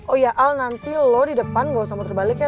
oh ya al nanti lo di depan gak usah muter balik ya